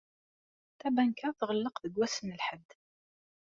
Tabanka tɣelleq deg wass n lḥedd.